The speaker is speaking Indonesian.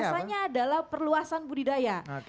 bahasanya adalah perluasan budidaya